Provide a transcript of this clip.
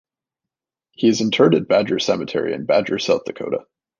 He is interred at Badger Cemetery in Badger, South Dakota.